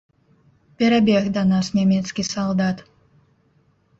Перабег да нас нямецкі салдат.